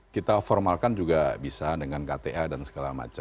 kita formalkan juga bisa dengan kta dan segala macam